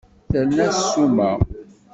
Terna ssuma.